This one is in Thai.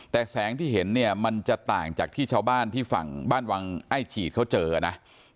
แต่แสงที่เห็นเนี่ยมันจะต่างจากที่ชาวบ้านที่ฝั่งบ้านวังไอ้ฉีดเขาเจอนะ